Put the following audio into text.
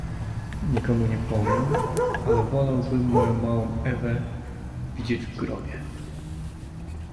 "Nikomu nie powiem, ale wolałbym, moją małą Ewę widzieć w grobie."